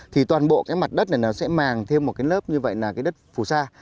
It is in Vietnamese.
thì toàn bộ cái mặt đất này nó sẽ màng thêm một cái lớp như vậy là cái đất phù sa